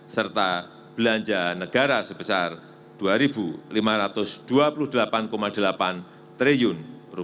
serta belanja negara sebesar rp dua lima ratus dua puluh delapan delapan triliun